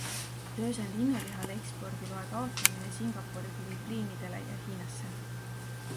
Töös on linnulihale ekspordiloa taotlemine Singapuri, Filipiinidele ja Hiinasse.